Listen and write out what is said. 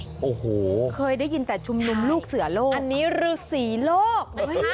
คือเคยได้ยินแต่ชุมนุมลูกเสือโลกอันนี้รือสีโลก